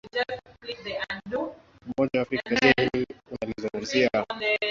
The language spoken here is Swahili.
umoja wa afrika je hili unalizungumzia